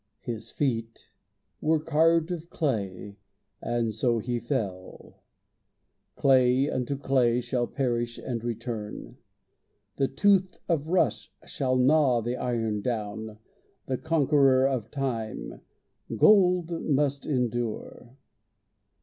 His feet were carved of clay and so he fell. Clay unto clay shall perish and return. The tooth of rust shall gnaw the iron down. The conqueror of time, gold must endure.